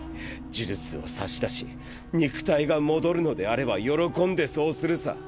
呪術を差し出し肉体が戻るのであれば喜んでそうするさ。